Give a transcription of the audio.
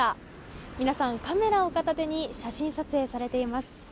皆さん、カメラを片手に写真撮影されています。